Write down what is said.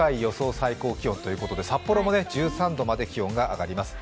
最高気温ということで札幌も１３度まで気温が上がります。